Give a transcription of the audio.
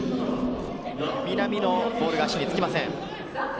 南野、ボールが足につきません。